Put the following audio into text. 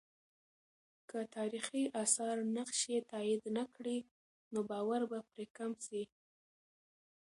که تاریخي آثار نقش یې تایید نه کړي، نو باور به پرې کم سي.